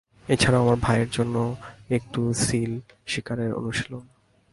এছাড়াও, আমার ভাইয়ের জন্য একটু সিল শিকারের অনুশীলন।